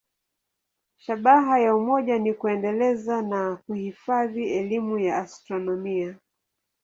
Shabaha ya umoja ni kuendeleza na kuhifadhi elimu ya astronomia.